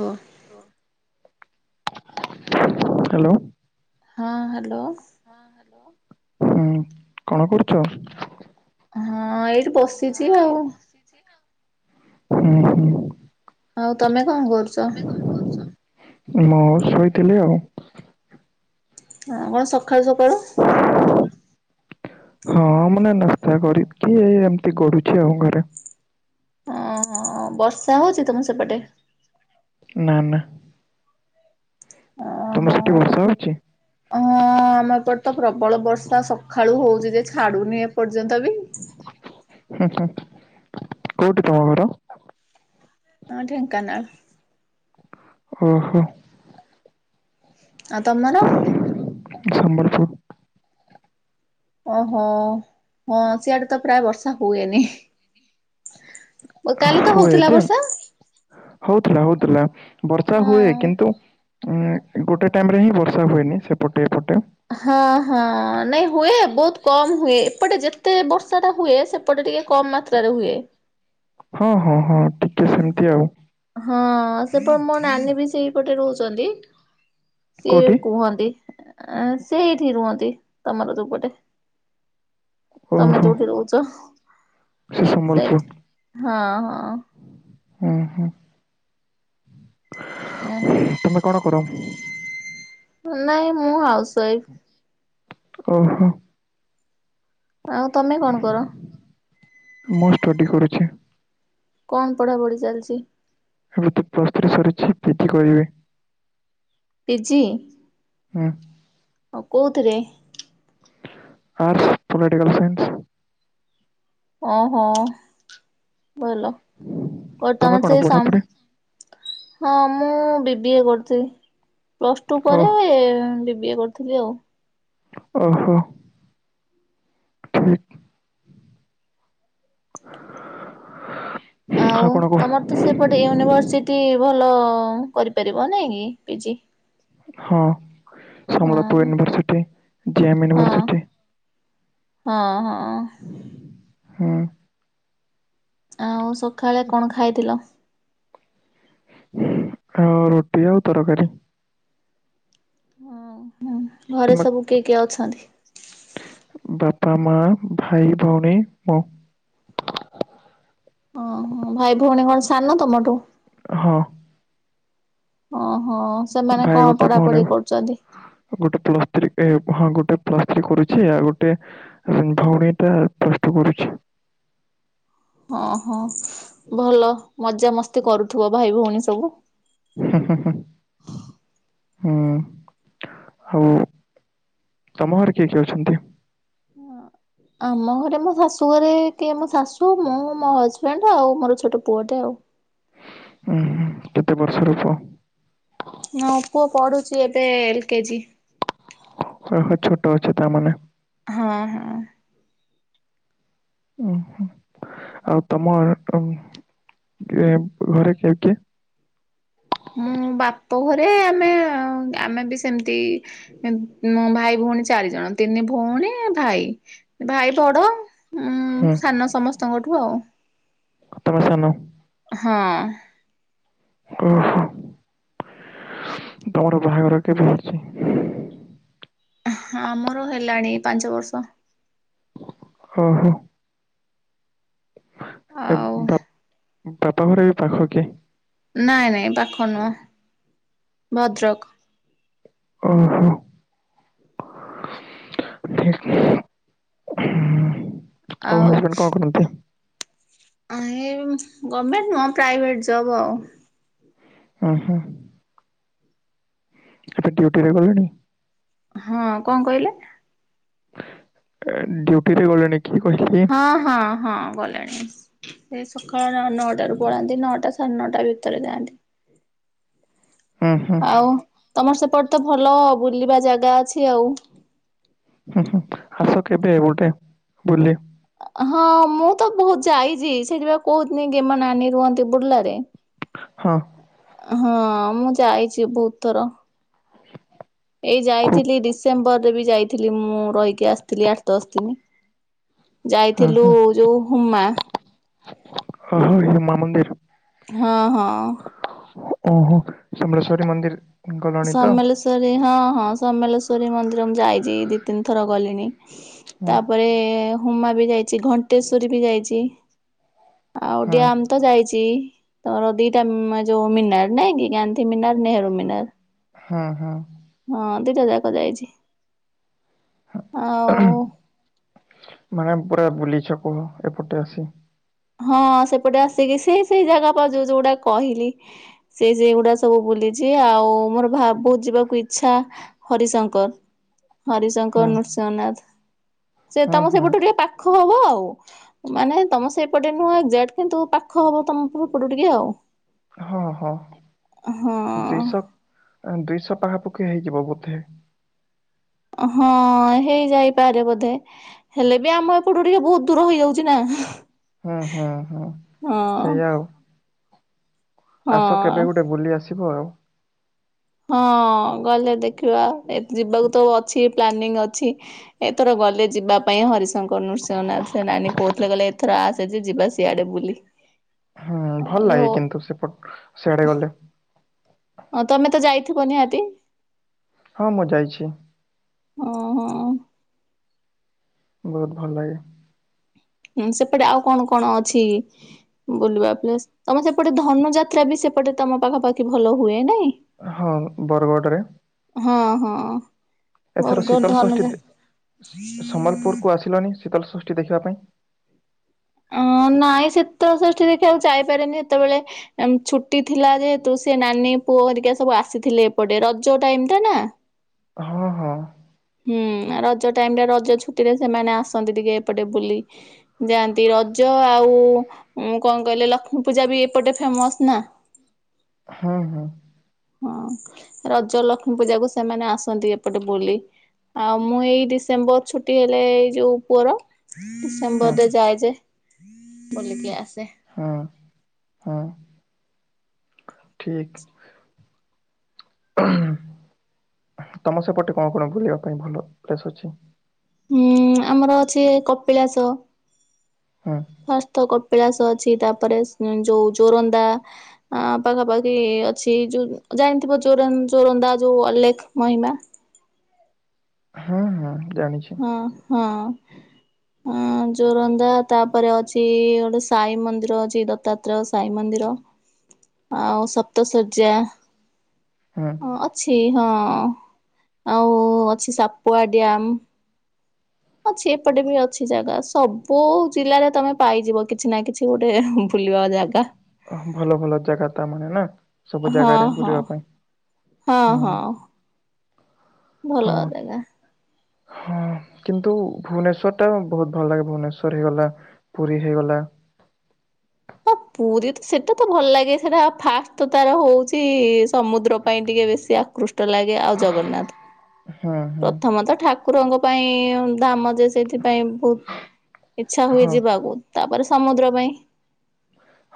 ଓ hello. ହଁ hello. ହୁଁ କଣ କରୁଛ? ହଁ ଏଇଠି ବସିଛି ଆଉ। ହୁଁ ହୁଁ। ଆଉ ତମେ କଣ କରୁଛ? ମୁଁ ଶୋଇଥିଲି ଆଉ। ହଁ ମ ସଖାଳୁ ସକାଳୁ କିଛି କହିନାହାନ୍ତି ହଁ ମାନେ ନସ୍ତା କରିକି ଏମିତି ଗଡୁଛି ଆଉ ଘରେ। ଅହୋ ବର୍ଷା ହଉଛି ତମ ସେପଟେ? ନା ନା। ତମ ଓହୋ ସେଠି ବର୍ଷା ହଉଛି? ହଁ ଆମ ଏପଟ ତ ପ୍ରବଳ ବର୍ଷା ସକାଳୁ ହଉ ଛି ଜେ ଛାଡୁନି ଏପର୍ଯ୍ୟନ୍ତ ବି। ହୁଁ ହୁଁ କୋଉଠି ତମ ଘର? ହଁ ଢେଙ୍କାନାଳ। ଓହୋ। ଆଉ ତମର? ହୁ ଓହୋ ହଁ ସିଆଡେ ତ ପ୍ରାୟେ ବର୍ଷା ହୁଏନି। ଓ କାଲି ତ ହୋଉଥୁଲା ବର୍ଷା। ହୋଉଥୁଲା ହୋଉଥୁଲା ବର୍ଷା ହଁ। ହୁଏ କିନ୍ତୁ ଉଁ ଗୋଟେ ଟାଇମ୍‌ରେ ହିଁ ବର୍ଷା ହୁଏନି ସେପଟେ ଏପଟେ। ହଁ ହଁ ନାଇଁ ହୁଏ ବୋହୁତ୍ କମ୍ ହୁଏ ଏପଟେ ଯେତେ ବର୍ଷାଟା ହୁଏ ସେପଟେ ଟିକେ କମ ମାତ୍ରାରେ ହୁଏ। ହଁ ହଁ ହଁ ଟିକେ ସେମତି ଆଉ। ହଁ ସେପ ମୋ ନାନୀ ବି ସେଇପଟେ ରହୁଚନ୍ତି ସିଏ କୋଉଠି? କୁହନ୍ତି। ଆ ଆଁ ସେଇଠି ରୁହନ୍ତି ତମର ଯୋଉପଟେ। ତମେ ଓହୋ ଯୋଉଠି ରହୁଚ। ସେ ସମ୍ବଲପୁର ସେଇଠି ହଁ ହଁ। ଉଁ ହୁଁ। ତମେ କଣ କର? ଉଁ ନାଇଁ ମୁଁ ହାଉସ୍ ୱାଇଫ୍। ଓହୋ। ଆଉ ତମେ କଣ କର? ମୁଁ ଷ୍ଟଡ଼ି କରୁଛି। କଣ ପଢ଼ାପଢ଼ି ଚାଲଚି? ଏବେ ତ ପ୍ଲସ୍ ଥ୍ରୀ ସରିଛି ପିଜି କରିବି। ପିଜି? ହୁଁ। ଆଉ କୋଉଥିରେ? Arts political science. ଓହୋ। ଭଲ ଓ ତମେ ତମର କଣ ସେଇ ସମ୍ ପଢ଼ାପଢ଼ି ହଁ ମୁଁ ବିି ବି ଏ କରଥିଲି ପ୍ଲସ୍ ଟୁ ଓ ପରେ ଏ ବି ବିଏ କରଥିଲି ଆଉ। ଓହୋ ଠିକ୍। ଅହୋ ଆଉ ତମର ତ ସେପଟେ ୟୁନିଭର୍ସିଟି ଭ ଲ କରିପାରିବ ନାଇଁ କି ପିଜି। ହଁ ହଁ ସମ୍ବଲପୁର ୟୁନିଭର୍ସିଟି, ଜେ ଏମ୍ ହଁ ୟୁନିଭର୍ସିଟି। ହଁ ହଁ। ହୁଁ। ଆଉ ସଖାଳେ କଣ ଖାଇଥିଲ? ଖାଅ ରୁଟି ଆଉ ତରକାରୀ। ହଁ ହଁ ଘରେ ତୁମେ ସବୁ କିଏ କିଏ ଅଛନ୍ତି? ବାପା, ମା, ଭାଇ, ଭୋଉଣୀ ମୁଁ। ହୁଁ ଭାଇ, ଭୋଉଣୀ କଣ ସାନ ତମଠୁ? ହଁ। ଓହୋ ସେମାନେ ଭାଇ କଣ ଗୋଟେ ଭଉଣୀ ପଢାପଢି କରୁଚନ୍ତି? ଗୋଟେ ପ୍ଲସ୍ ଥ୍ରୀ ଏ ହଁ ଗୋଟେ ପ୍ଲସ୍ ଥ୍ରୀ କରୁଛି ଆଉ ଗୋଟେ ହୁଁ ଭୋଉଣୀଟା ପ୍ଲସ୍ ଟୁ ପଢୁଛି। [inaudible] ଓହୋ ଭଲ ମଜା ମସ୍ତି କରୁଥୁବ ଭାଇ, ଭୋଉଣୀ ସବୁ। ହୁଁ ହୁଁ ହୁଁ। ହୁଁ ହୋଉ ତମ ଘରେ କିଏ କିଏ ଅଛନ୍ତି? [inaudible] ଆମ ଘରେ ମୋ ଶାଶୁ ଘରେ କି ମୋ ଶାଶୁ, ମୁଁ, ମୋ ହଜବେଣ୍ଡ, ଆଉ ମୋର ଛୋଟ ପୁଅଟେ ଆଉ। ଉହୁଁ କେତେ ବର୍ଷର ପୁଅ? ମୋ ପୁଅ ପଢୁ଼ଚି ଏବେ ଏଲ୍ କେ ଜି। ହଁ ହଁ ଛୋଟ ଅଛ ତା ମାନେ। ହଁ, ହଁ। ହୁଁ, ହୁଁ, ଆଉ ତମ [unintelligible] ଆଡ଼େ। [unintelligible] ଘରେ କିଏ କିଏ? ମୁଁ। ବାପ ଘରେ ଆମେ ଆମେ ବି ସେମିତି ମୋ ଭାଇ, ଭଉଣୀ ଚାରିଜଣ। ତିନି ଭଉଣୀ, ଭାଇ, ଭାଇ ବଡ଼। ଉଁ ହୁଁ ସାନ ସମସ୍ତଙ୍କଠୁ ଆଉ। ତମେ ସାନ। ହଁ। ଓହୋ। ତମର ବାହାଘର କେବେ ହେଉଛି? ହଁ ଆମର ହେଲାଣି ପାଞ୍ଚ ବର୍ଷ। ଓ ହୋ। ଆଉ। ବା ବାପା ଘରେ ଏଇ ପାଖ କି? ନାଇଁ, ନାଇଁ ପାଖ ନୁହ ଭଦ୍ରକ। ଓହୋ। [unintelligible] ଆଉ ହଜବେଣ୍ଡ କଣ ଆଉ କରନ୍ତି? [unintelligible] ଗଭର୍ଣମେଣ୍ଟ ନୁହଁ ପ୍ରାଇଭେଟ ଜବ୍ ଆଉ। ଓ ହୋ। ଏବେ ଡ୍ୟୁଟି ରେ ଗଲେଣି? ହଁ, କଣ କହିଲେ? ଏ ଡ୍ୟୁଟି ରେ ଗଲେଣି? କି କହିଲି ହଁ, ହଁ, ହଁ, ଗଲେଣି। ସେ ସକାଳ ନଅଟା ରୁ ପଳାନ୍ତି ନଅଟା ସାଢ଼େ ନଅଟା ଭିତରେ ଯାଆନ୍ତି। ହୁଁ ହୁଁ ଆଉ ତମର ସେପଟେ ତ ଭଲ ବୁଲିବା ଜାଗା ଅଛି ଆଉ। ହୁଁ, ହୁଁ ଆସ କେବେ ଗୋଟେ ବୁଲି। ହଁ ମୁଁ ତ ବହୁତ ଯାଇଛି ସେଥିପାଇଁ କହୁଥିନି ମୋ ନାନୀ ରୁହନ୍ତି ବୁଲ୍ଲାରେ। ହଁ। ହଁ ମୁଁ ଯାଇଛି ବହୁତ ଥର। ଏଇ ଖୁବ୍ ଯାଇଥିଲି ଡିସେମ୍ବର ରେ ବି ଯାଇଥିଲି ମୁଁ ରହିକି ଆସିଥିଲି ଆଠ ଦଶ ଦିନ। ହଁ ଯାଇଥିଲୁ ହଁ ଯୋଉ ହୁମା ଓହୋ ହୁମା ମନ୍ଦିର। ହଁ ହଁ। ଓହୋ ସମଲେଶ୍ଵରୀ ମନ୍ଦିର୍ ସମଲେଶ୍ଵରୀ ହଁ ହଁ ସମଲେଶ୍ଵରୀ ମନ୍ଦିର ମୁଁ ଯାଇଛି ଏ ଦି, ତିନି ଥର ଗଲିଣି। ହଁ ତାପରେ ହୁମା ବି ଯାଇଛି, ଘଣ୍ଟେଶ୍ଵରୀ ବି ଯାଇଛି। ଆଉ ହଁ ଡାମ ତ ଯାଇଛି ତମର ଦିଟା ଯୋଉ ମିନାର ନାଇଁ କି ଗାନ୍ଧୀ ମିିନାର ନେହେରୁ ମିିନାର ହଁ ହଁ। ହଁ ଦିଟା ଯାକ ଯାଇଛି ଆଉ ମାନେ ପୁରା ବୁଲିଛ କୁହ ଏପଟେ ଆସି ହଁ ସେପଟେ ଆସିକି ସେ ସେଇ ଜାଗା ଯୋଉ ଯୋଉଗୁଡା କହିଲି, ସେ ସେଗୁଡା ସବୁ ବୁଲି ଆଉ ମୋର ଭାରୀ ବହୁତ ଯିବାକୁ ଇଚ୍ଛା ହରିଶଙ୍କର ହଁ ହରିଶଙ୍କର ନୃସିଂହନାଥ ସେ ହଁ ତମ ହଁ ସେପଟୁ ଟିକେ ପାଖ ହବ ଆଉ ମାନେ ତମ ସେ ଏପଟେ ନୁହଁ ଏକ୍ଜାକ୍ଟ କିନ୍ତୁ ପାଖ ହବ ତମ ଏପଟୁ ଟିକେ ଆଉ ହଁ ହଁ ହଁ ଦେଶ ଦୁଇଶହ ପାଖାପାଖି ହେଇଯିବ ବୋଧେ। ହଁ ହେଇଯାଇପାରେ ବୋଧେ ହେଲେ ବି ଆମ ଏପଟୁ ଟିକେ ବହୁତ ଦୂର ହେଇଯାଉଛି ନା। ହୁଁ ହୁଁ ହୁଁ ହଁ ସେଇଆ ଆଉ। ଆସ ହଁ କେବେ ଗୋଟେ ବୁଲି ଆସିବ ଆଉ? ହଁ ଗଲେ ଦେଖିବା ଯିବାକୁ ତ ଅଛି ପ୍ଲାନିଂ ଅଛି ଏଇଥର ଗଲେ ଯିବା ପାଇଁ ହରିଶ ଶଙ୍କର ନୃସିଂହନା ସେ ନାନୀ କହୁଥିଲେ କହିଲେ ଏଥର ଆସେ ଯେ ଯିବା ସିଆଡେ ବୁଲି। ହୁଁ ମୁଁ ଭଲ କହିଲି ଲାଗେ ହଉ କିନ୍ତୁ ସେପଟ ସିଆଡେ ଗଲେ। ହଁ ତମେ ତ ଯାଇଥିବ ନିହାତି? ହଁ ମୁଁ ଯାଇଛି। ଅ ହଁ। ବହୁତ ଭଲ ଲାଗେ। ହୁଁ ସେପଟେ ଆଉ କଣ କଣ ଅଛି ବୁଲିବା ପ୍ଲେସ୍ ତମେ ସେପଟେ ଧନୁଯାତ୍ରା ବି ସେ ସେପଟେ ତମ ପାଖାପାଖି ଭଲ ହୁଏ ନାଇଁ? ହଁ ବରଗଡ଼ରେ। ହଁ ହଁ। ଏଥର ବରଗଡ଼ ଶୀତଳଷଷ୍ଠୀ ଧନୁଯା ସମ୍ବଲପୁରକୁ ଆସିଲନି। ଶୀତଳ ସୃଷ୍ଟି ଦେଖିବା ପାଇଁ? ଅ ନାଇଁ ଶୀତଳଷଷ୍ଠୀ ଦେଖିବାକୁ ଯାଇପାରେନି ସେତେବେଳେ ଛୁଟି ଥିଲା ଯେହେତୁ ସେ ନାନୀ ପୁଅ ହେରିକା ସବୁ ଆସିଥିଲେ ଏପଟେ ରଜ ଟାଇମ ଟା ନା। ହଁ ହଁ। ହୁଁ ରଜ ଟାଇମ ରେ ରଜ ଛୁଟି ରେ ସେମାନେ ଆସନ୍ତି ଟିକେ ଏପଟେ ବୁଲି ଯାଆନ୍ତି ରଜ ଆଉ କଣ କହିଲେ ଲକ୍ଷ୍ମୀ ପୂଜା ବି ଏପଟେ ଫେମସ୍ ନା? [inaudible] ଉଁ ହୁଁ। ହଁ ରଜ ଲକ୍ଷ୍ମୀ ପୂଜାକୁ ସେମାନେ ଆସନ୍ତି ଏପଟେ ବୁଲି। ଆଉ ମୁଁ ଏଇ ଡିସେମ୍ବର ଛୁଟି ହେଲେ ଏଇ ଯୋଉ ପୁଅର ହଁ ଡିସେମ୍ବରରେ ଯାଏ ଯେ ବୁଲିକି ଆସେ। ହଁ। ହୁଁ ଠିକ୍ [inaudible] ତମ ସେପଟେ କଣ କଣ ବୁଲିବା ପାଇଁ ଭଲ ପ୍ଲେସ୍ ଅଛି? ହୁଁ ଆମର ଅଛି କପିଳାସ। ହୁଁ [unintelligible] କପିଳାସ ଅଛି ତାପରେ ଯୋଉ ଜୋରନ୍ଦା ପାଖାପାଖି ଅଛି ଯୋଉ ଜାଣିଥିବ ଚୋରନ୍ଦା ଯୋଉ ଅଲେଖ ମହିମା। ହୁଁ ହୁଁ ଜାଣିଛି ହଁ ହଁ ଜୋରନ୍ଦା ତାପରେ ଅଛି ଗୋଟେ ସାଇ ମନ୍ଦିର ଅଛି ଦତ୍ତାତ୍ରୟ ଶାଇମନ୍ଦିର। ଆଉ ସପ୍ତ ଶର୍ଯ୍ୟା। ହୁଁ ଅଛି ହଁ ଆଉ ଅଛି ସାପୁଆଡ୍ୟାମ। ଅଛି ଏପଟେ ବି ଅଛି ଜାଗା ସବୁ ଜିଲ୍ଲାରେ ତମେ ପାଇଯିବ କିଛି ନା କିଛି ଗୋଟେ ବୁଲିବା ଯାଗା। ଓ ଭଲ ଭଲ ଜାଗା ତା ମାନେ ନା ସବୁ ହଁ ଜାଗାରେ ହଁ ବୁଲିବା ପାଇଁ। ହଁ ହୁଁ ହଁ। ହଁ ଭଲ ଜାଗା। ହଁ। କିନ୍ତୁ ଭୁବନେଶ୍ଵର ଟା ବହୁତ ଭଲ ଲାଗେ ଭୁବନେଶ୍ଵର ହେଇଗଲା ପୁରୀ ହେଇଗଲା। [unintelligible] ପୁରୀ ତ ସେଇଟା ତ ଭଲ ଲାଗେ ସେଇଟା ଫାଷ୍ଟ ତ ତାର ହଉଛି ସମୁଦ୍ର ପାଇଁ ଟିକେ ବେଶୀ ଆକୃଷ୍ଟ। ଛୋଟ ଲାଗେ ଆଉ ଜଗନ୍ନାଥ ହୁଁ ହୁଁ ପ୍ରଥମତଃ ଠାକୁ କୁରଙ୍କ ପାଇଁ ଦାମ ଯେ ସେଇଥିପାଇଁ ବହୁତ ଇଚ୍ଛା ହୁଏ ହଁ ଯିବାକୁ ତାପରେ ସମୁଦ୍ର ପାଇଁ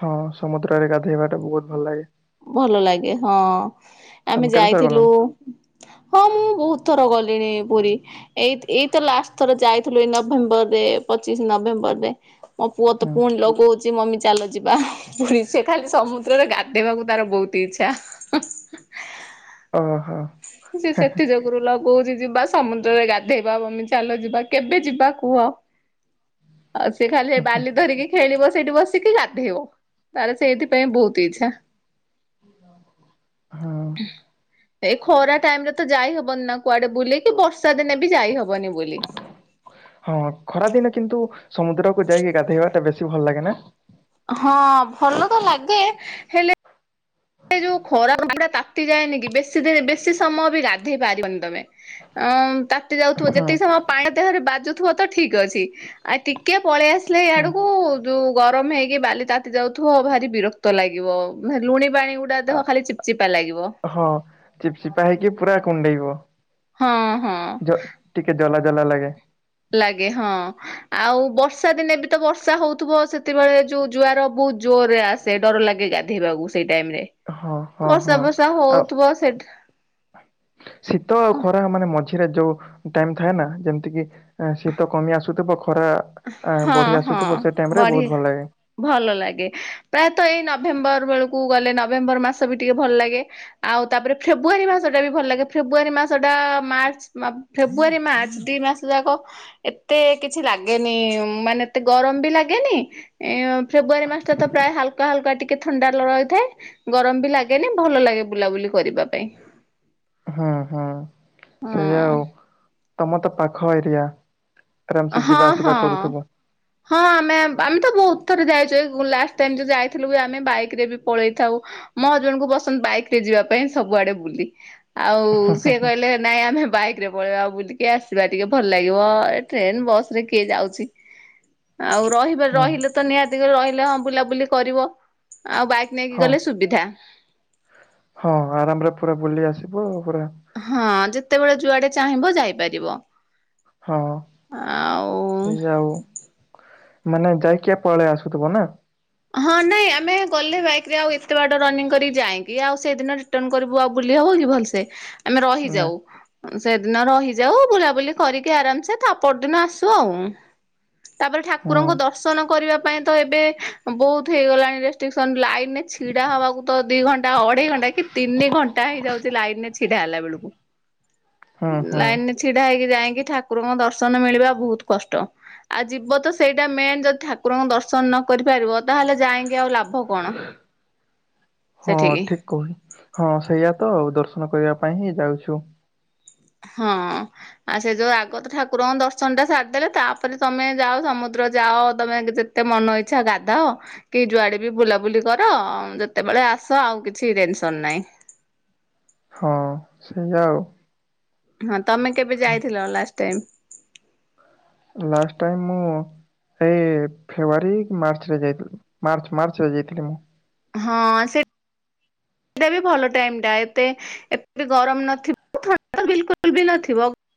ହଁ ସମୁଦ୍ରରେ ଗାଧୋଇବା ଟା ବହୁତ ଭଲ ଲାଗେ ଭଲ ଲାଗେ ହଁ ଆମେ ତମେ କେତେଥର ଯାଇଥିଲୁ ଗଲଣି? ହଁ ମୁଁ ବହୁତ ଥର ଗଲି ପୁରୀ ଏଇ ଏଇତ ଲାଷ୍ଟ ଥର ଯାଇଥିଲୁ ଏଇ ନଭେମ୍ବରରେ ପଚିଶ ନଭେମ୍ବରରେ ମୋ ପୁଅ ତ ହୁଁ ପୁଣି ଲଗଉଛି ମମି ଚାଲ ଯିବା ହି ହି ପୁରି ସେ ଖାଲି ସମୁଦ୍ରରେ ଗା ଦେବାକୁ ତାର ବହୁତ ଇଚ୍ଛା ହ ହ ଓ ହୋ ସେ ସେତେ ଯୋଗୁରୁ ଲଗ କହୁଛି ଯିବା ସମୁଦ୍ରରେ ଗାଧେଇବା ମମି ଚାଲ ଯିବା କେବେ ଯିବା କୁହ? ଆଉ ସେ ଖାଲି ବାଲି ଧରିକି ଖେଳିବ ସେଇଠି ବସିକି ଗାଧୋଇବ ତାର ସେଇଥିପାଇଁ ବହୁତ ଇଚ୍ଛା ଏ ଖରା ଟାଇମ ରେ ତ ଯାଇ ହବନି ନା କୁଆଡେ ବୁଲି ବର୍ଷା ଦିନେ ବି ଯାଇ ହବନି ବୁଲି ହଁ ଖରାଦିନେ କିନ୍ତୁ ସମୁଦ୍ରକୁ ଯାଇକି ଗାଧେଇବା ଟା ବେଶୀ ଭଲ ଲାଗେ ନା ହଁ ଭଲ ତ ଲାଗେ ହେଲେ ସେ ଯୋଉ ଖରା ପଟା ତାତି ଯାଏନି କି ବେଶୀ ଦି ବେଶୀ ସମୟ ବି ଗାଧେଇ ପାରିବନି ତମେ ଅଁ ତାତି ଯାଉଥିବ ହୁଁ ଯେତିକି ସମୟ ପାଣି ଦେହରେ ବାଜୁଥିବ ତ ଠିକ ଅଛି ଆଉ ଟିକେ ପଳେଇ ଆସିଲେ ହୁଁ ଇଆଡକୁ ଯୋଉ ଗରମ ହେଇକି ବାଲି ତାତି ଯାଉଥିବ ଭାରି ବିରକ୍ତ ଲାଗିବ ଲୁଣି ପାଣି ଗୁଡା ଦେହ ଖାଲି ଚିପଚିପା ଲାଗିବ [unintelligible] ହଁ ଚିପଚିପା ହେଇକି ପୁରା କୁଣ୍ଡେଇବ ହଁ ହଁ ଭଲ ଲାଗେ ଲାଗେ ହଁ ଆଉ ବର୍ଷା ଦିନେ ବି ତ ବର୍ଷା ହଉଥିବ ସେତେବେଳେ ଯୋଉ ଜୁଆର ବହୁତ ଜୋରରେ ଆସେ ଡର ଲାଗେ ଗାଧୋଇବାକୁ ସେଇ ଟାଇରେ ହଁ ହଁ ବର୍ଷା ହଁ ବର୍ଷା ଆଉ ହଉଥିବ ସେ ଶୀତ ଆଉ ଖରା ମାନେ ମଝିରେ ଯୋଉ ଟାଇମ୍ ଥାଏ ନା ଯେମତି କି ଶୀତ କମି ଆସୁଥିବ ଖରା ଆ ହଁ ବଢି ହଁ ଆସୁଥିବ ସେ ଟାଇମ ରେ ବଢି ବହୁତ ଭଲ ଲାଗେ। ଭଲ ଲାଗେ ପ୍ରାୟତଃ ଏଇ ନ ନଭେମ୍ବର ବେଳକୁ ଗଲେ ନଭେମ୍ବର ମାସ ବି ଟିକେ ଭଲ ଲାଗେ ଆଉ ତାପରେ ଫେବୃଆରୀ ମାସଟା ବି ଭଲ ଲାଗେ ଫେବୃଆରୀ ମାସଟା ମାର୍ଚ୍ଚ ଫେବୃଆରୀ ମାର୍ଚ୍ଚ ଦି ମାସ ଯାକ ଏତେ କିଛି ଲାଗେ ଲାଗେନି ମାନେ ଏତେ ଗରମ ବି ଲାଗେନି ଫେବୃୁଆାରୀ ମାସ ଟା ତ ପ୍ରାୟ ହାଲକା ହାଲକା ଟିକେ ଥଣ୍ଡା ରହିଥାଏ ଗରମ ବି ଲାଗେନି ଭଲ ଲାଗେ ବୁଲାବୁଲି କରିବା ପାଇଁ ହୁଁ ହୁଁ ହଁ ସେଇଆା ଆଉ ତମ ତ ପାଖ ଏରିଆ ଆରାମ ସେ ହଁ ଯିବା ଆସିବା ହଁ କରୁଥିବ। ହଁ ଆମେ ଆମେ ତ ବହୁତ ତ ଯାଇଯାଇ ଲାଷ୍ଟ ଟାଇମ ଯାଇଥିଲୁ ଆମେ ବାଇକ ରେ ବି ପଳେଇ ଥାଉ ମୋ ହଜବେଣ୍ଡ କୁ ପସନ୍ଦ ବାଇକ ରେ ତ ଯିବା ପାଇଁ ସବୁଆଡେ ବୁଲି ଆଉ ସିଏ କହିଲେ ନାଇଁ ଆମେ ବାଇକ ରେ ପଳେଇବା ବୁଲିକି ଆସିବା ଟିକେ ଭଲ ଲାଗିବ ଟ୍ରେନ ବସ ରେ କିଏ ଯାଉଛି ଆଉ ରହିବ ହୁଁ ରହିଲେ ତ ନିହାତି ରହିଲେ ହଁ ବୁଲାବୁଲି କରିବ ଆଉ ବାଇକ ନେଇକି ହଁ ଗଲେ ସୁବିଧା ହଁ ଆରାମରେ ପୁରା ବୁଲି ଆସିବ ଆଉ ହଁ ଯେତେବେଳେ ଯୁଆଡେ ଚାହିଁବ ଯାଇପାରିବ। ହଁ ଆଉ ସେଇଆ ଆଉ ମାନେ ଯାଇକି ପଳେଇ ଆସୁଥିବ ନା ହଁ ନାଇଁ ଆମେ ଗଲେ ବାଇକ ରେ ଆଉ ଏତେ ବାଟ ରନିଂ କରିକି ଯାଇକି ଆଉ ସେଦିନ ରିଟର୍ଣ କରିବୁ ଆଉ ହବ କି ଭଲସେ ଆମେ ନା ରହିଯାଉ ସେଦିନ ରହିଯାଉ ବୁଲାବୁଲି କରିକି ଆରାମସେ ତା ପରଦିନ ଆସୁ ଆଉ ତାପରେ ହୁଁ ଠାକୁରଙ୍କୁ ଦର୍ଶନ କରିବା ପାଇଁ ତ ଏବେ ବହୁତ ହେଇଗଲାଣି ରେଷ୍ଟ୍ରିକସନ ଲାଇନ ରେ ଛିଡା ହବାକୁ ତ ଦି ଘଣ୍ଟା ଅଢେଇ ଘଣ୍ଟା କି ତିନି ଘଣ୍ଟା ହେଇଯାଉଛି ଲାଇନ ରେ ଛିଡା ହେଲା ବେଳକୁ ହୁଁ ହୁଁ। ଲାଇନ ରେ ଛିଡା ହେଇକି ଯାଇ ଠି ଠାକୁରଙ୍କ ଦର୍ଶନ ମିଳିବା ବହୁତ କଷ୍ଟ। ଆଉ ଯିବ ତ ସେଇଟା ମେନ ଯଦି ଠାକୁରଙ୍କ ଦର୍ଶନ ନ କରିପାରିବ ତାହେଲେ ଯାଇକି ଆଉ ଲାଭ କଣ? ହୋଉ ହଁ ସେଠିକି ଠିକ କହୁ ହଁ ସେଇଆ ତ ଦର୍ଶନ କରିବା ପାଇଁ ହିଁ ଯାଉଛୁ ହଁ ଆଉ ସେ ଯୋଉ ଆଗ ତ ଠାକୁରଙ୍କ ଦର୍ଶନ ଟା ସାରିଦେଲେ ତାପରେ ତମେ ଯାଅ ସମୁଦ୍ ଦ୍ର ଯାଅ ତମେ ଯେତେ ମନ ଇଚ୍ଛା ଗାଧାଅ କି ଯୁଆଡେ ବି ବୁଲାବୁଲି କର ଯେତେବେଳେ ଳେ ଆସ ଆଉ କିଛି ଟେନସନ ନାହିଁ। ହଁ ସେଇଆା ଆଉ। ହଁ ତମେ କେବେ ଯାଇଥିଲ ଲାଷ୍ଟ ଟାଇମ? ଲାଷ୍ଟ ଟାଇମ ମୁଁ ଏଇ ଫେବୃଆାରୀ କି ମାର୍ଚ୍ଚରେ ଯାଇଥିଲି ମାର୍ଚ୍ଚ ମାର୍ଚ୍ଚ ରେ ଯାଇଥିଲି ମୁଁ। ହଁ ସେ ଟା ବି ଭଲ ଟାଇମ୍‌ଟା ଏତେ ଏତ ଗରମ ନଥିବ ଥଣ୍ଡା ତ ବିଲ୍‌କୁଲ ବି ନଥିବ